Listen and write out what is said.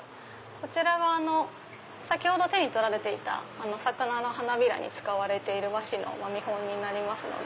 こちらが先ほど手に取られていた桜の花びらに使われている和紙の見本になりますので。